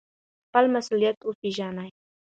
خپل مسؤلیتونه وپیژنئ.